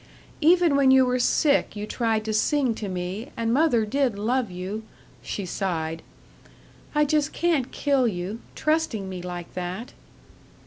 "Even when you were sick you tried to sing to me, and mother did love you," she sighed. "I just can't kill you trusting me like that."